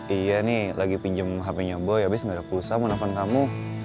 iya nih lagi pinjem hpnya boy abis gak ada pulsa mau nepen kamu